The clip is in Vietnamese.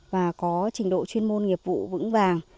và có trình độ chuyên môn nghiệp vụ vững vàng